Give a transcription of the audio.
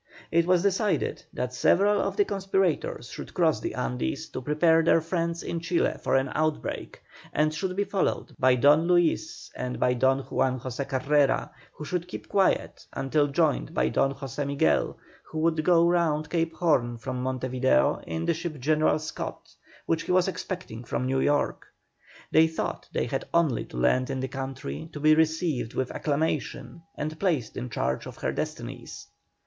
It was decided that several of the conspirators should cross the Andes to prepare their friends in Chile for an outbreak, and should be followed by Don Luis and by Don Juan José Carrera, who should keep quiet until joined by Don José Miguel, who would go round Cape Horn from Monte Video, in the ship General Scott, which he was expecting from New York. They thought they had only to land in the country to be received with acclamation and placed in charge of her destinies.